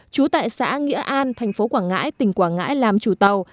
trú tại xã nghĩa an thành phố quảng ngãi tỉnh quảng ngãi làm chủ tàu